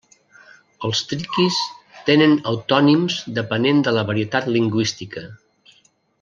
Els triquis tenen autònims depenent de la varietat lingüística.